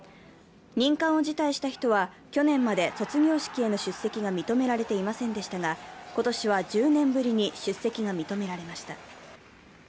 任官を辞退した人は去年まで卒業しへの出席が認められていませんでしたが今年は１０年ぶりに出席が認められました。